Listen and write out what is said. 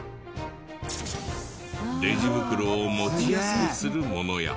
レジ袋を持ちやすくするものや。